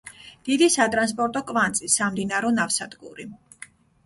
დიდი სატრანსპორტო კვანძი, სამდინარო ნავსადგური.